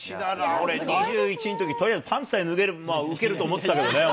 俺、２１のとき、とにかくパンツさえ脱げば受けると思ってたけどね。